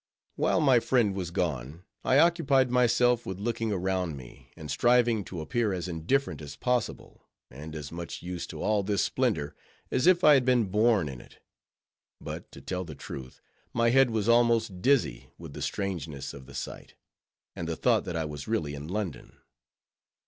While my friend was gone, I occupied myself with looking around me, and striving to appear as indifferent as possible, and as much used to all this splendor as if I had been born in it. But, to tell the truth, my head was almost dizzy with the strangeness of the sight, and the thought that I was really in London.